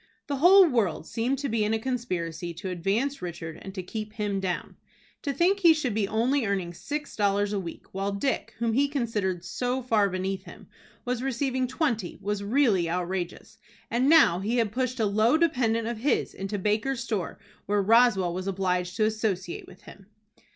The whole world seemed to be in a conspiracy to advance Richard, and to keep him down. To think he should be only earning six dollars a week, while Dick, whom he considered so far beneath him, was receiving twenty, was really outrageous. And now he had pushed a low dependent of his into Baker's store where Roswell was obliged to associate with him!